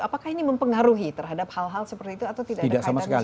apakah ini mempengaruhi terhadap hal hal seperti itu atau tidak ada kaitan sama sekali